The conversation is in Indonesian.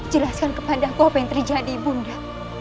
jelaskan kepada aku apa yang terjadi ibu nda